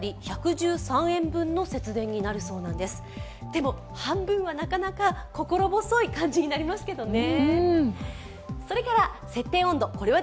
でも、半分はなかなか心細い感じになりますけどね。